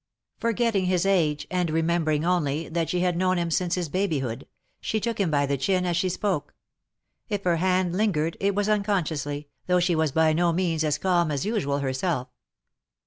Forgetting his age, and remembering only, that she had known him since his babyhood, she took him by the chin as she spoke. If her hand lingered, it was unconsciously, though she was by no means as calm as usual herself.